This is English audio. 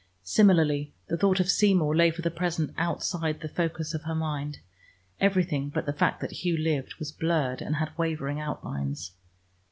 Similarly the thought of Seymour lay for the present outside the focus of her mind: everything but the fact that Hugh lived was blurred and had wavering outlines.